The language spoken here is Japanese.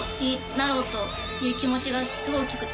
なろうという気持ちがすごい大きくって。